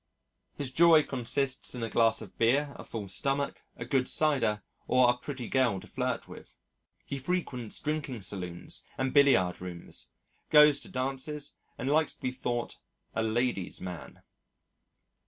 His joy consists in a glass of beer, a full stomach, a good cigar, or a pretty girl to flirt with. He frequents drinking saloons and billiard rooms, goes to dances and likes to be thought a lady's man.